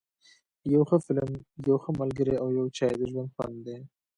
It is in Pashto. یو ښه فلم، یو ښه ملګری او یو چای ، د ژوند خوند دی.